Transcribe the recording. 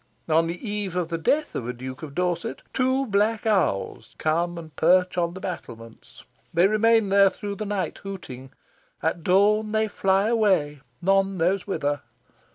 On the eve of the death of a Duke of Dorset, two black owls come and perch on the battlements. They remain there through the night, hooting. At dawn they fly away, none knows whither.